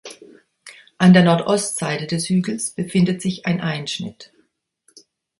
An der Nordostseite des Hügels befindet sich ein Einschnitt.